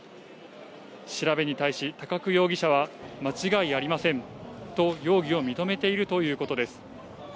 調べに対し、高久容疑者は間違いありませんと、容疑を認めているということです。